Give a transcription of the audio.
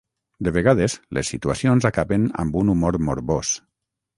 De vegades, les situacions acaben amb un humor morbós.